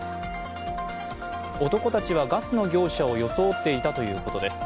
男たちはガスの業者を装っていたということです。